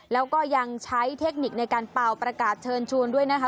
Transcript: แล้วก็ยังใช้เทคนิคในการเป่าประกาศเชิญชวนด้วยนะคะ